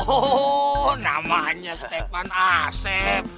oh namanya stepan asep